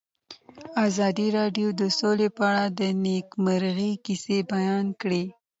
ازادي راډیو د سوله په اړه د نېکمرغۍ کیسې بیان کړې.